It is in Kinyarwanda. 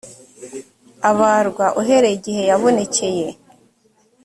abarwa uhereye igihe yabonekeye